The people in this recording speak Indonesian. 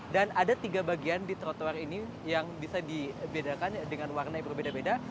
dan ada tiga bagian di trotoar ini yang bisa dibedakan dengan warna yang berbeda beda